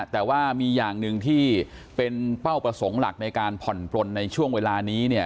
แต่ว่ามีอย่างหนึ่งที่เป็นเป้าประสงค์หลักในการผ่อนปลนในช่วงเวลานี้เนี่ย